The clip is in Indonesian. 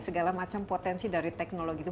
segala macam potensi dari teknologi itu